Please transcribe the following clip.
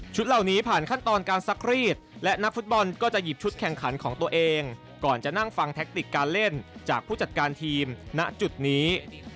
เหล่านี้ผ่านขั้นตอนการซักรีดและนักฟุตบอลก็จะหยิบชุดแข่งขันของตัวเองก่อนจะนั่งฟังแทคติกการเล่นจากผู้จัดการทีมณจุดนี้